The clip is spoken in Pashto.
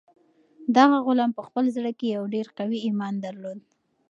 دغه غلام په خپل زړه کې یو ډېر قوي ایمان درلود.